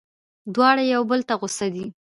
دواړه یو بل ته غوسه دي.